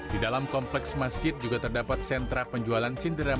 di dalam kompleks masjid juga terdapat sentra penjualan cindera